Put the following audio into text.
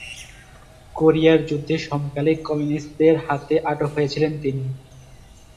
কোরিয়ার যুদ্ধের সময়কালে কমিউনিস্টদের হাতে আটক হয়েছিলেন তিনি।